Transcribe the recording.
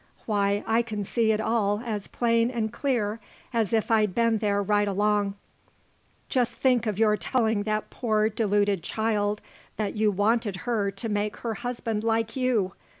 Why I can see it all as plain and clear as if I'd been there right along. Just think of your telling that poor deluded child that you wanted her to make her husband like you.